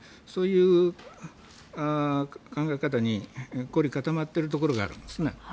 そういう考え方に凝り固まっているところがあるんですね。